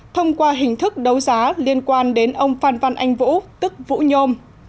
thông qua hình thức đấu giá liên quan đến ông phan văn anh vũ tức vũ nhôm